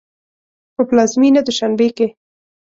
په پلازمېنه دوشنبه کې